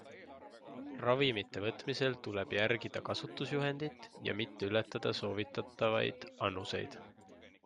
Ravimite võtmisel tuleb järgida kasutusjuhendit ja mitte ületada soovitatavaid annuseid.